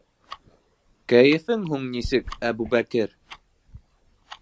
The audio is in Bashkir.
Кәйефең һуң нисек, Әбүбәкер?